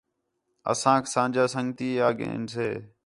اسانک اساں جا سنڳتی آ گِھنسے